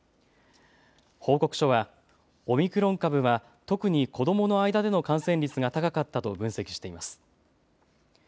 報告書はオミクロン株は特に子どもの間での感染率が高かったと分析しています。